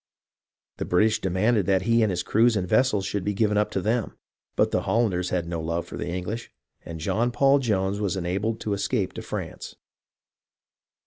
The British demanded that he and his crews and vessels should be given up to them ; but the Hollanders had no love for the English, and John Paul Jones was enabled to escape to France.